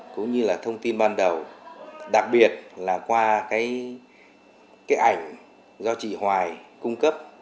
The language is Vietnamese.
cũng như là thông tin ban đầu đặc biệt là qua cái ảnh do chị hoài cung cấp